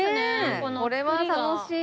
これは楽しい。